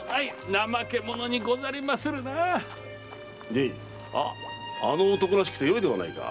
じいあの男らしくてよいではないか。